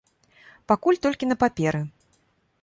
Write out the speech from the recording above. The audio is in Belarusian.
Пакуль толькі на паперы.